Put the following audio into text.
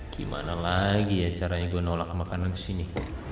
gimana lagi ya caranya gue nolak makanan ke sini